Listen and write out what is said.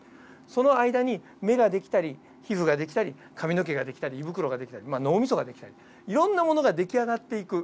その間に目ができたり皮膚ができたり髪の毛ができたり胃袋ができたり脳みそができたりいろんなものができあがっていく。